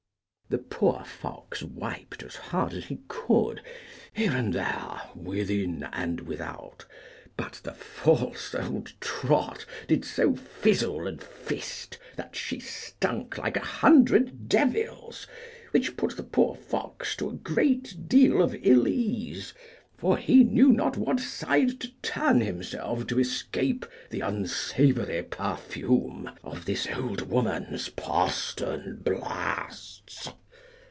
The poor fox wiped as hard as he could, here and there, within and without; but the false old trot did so fizzle and fist that she stunk like a hundred devils, which put the poor fox to a great deal of ill ease, for he knew not to what side to turn himself to escape the unsavoury perfume of this old woman's postern blasts.